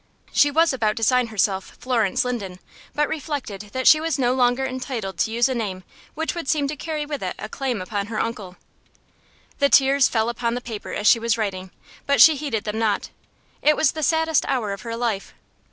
She was about to sign herself Florence Linden, but reflected that she was no longer entitled to use a name which would seem to carry with it a claim upon her uncle. The tears fell upon the paper as she was writing, but she heeded them not. It was the saddest hour of her life.